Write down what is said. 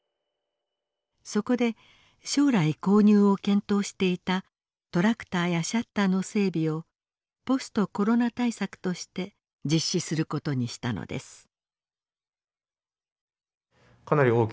そこで将来購入を検討していたトラクターやシャッターの整備をポストコロナ対策として実施することにしたのです。